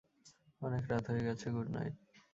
অনেক রাত হয়ে গেছে, গুড নাইট।